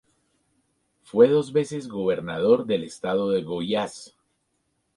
Fue dos veces gobernador del estado de Goiás.